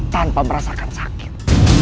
tanpa merasakan sakit